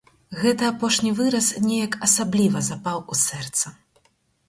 Гэты апошні выраз неяк асабліва запаў у сэрца.